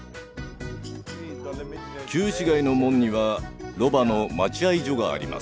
旧市街の門にはロバの待合所があります。